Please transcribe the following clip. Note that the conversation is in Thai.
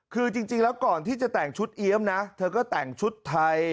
คือจริงแล้วก่อนที่จะแต่งชุดเอี๊ยมนะเธอก็แต่งชุดไทย